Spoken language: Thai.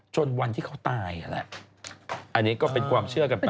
วันที่เขาตายนั่นแหละอันนี้ก็เป็นความเชื่อกันไป